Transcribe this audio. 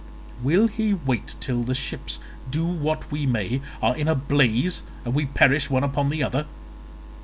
Will he wait till the ships, do what we may, are in a blaze, and we perish one upon the other?